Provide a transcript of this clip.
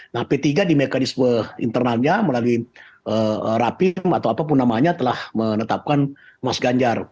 nah p tiga di mekanisme internalnya melalui rapim atau apapun namanya telah menetapkan mas ganjar